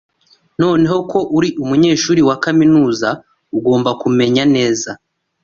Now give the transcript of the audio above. Noneho ko uri umunyeshuri wa kaminuza, ugomba kumenya neza.